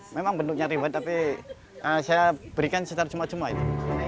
memang bentuknya ribet tapi saya berikan secara cuma cuma itu